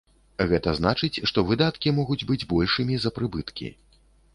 Гэта значыць, што выдаткі могуць быць большымі за прыбыткі.